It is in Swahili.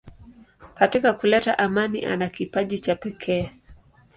Katika kuleta amani ana kipaji cha pekee.